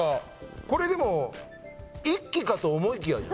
これでも一期かと思いきや。